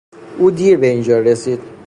او دیر به اینجا رسید.